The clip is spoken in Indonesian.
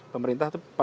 pemerintah itu pemerintah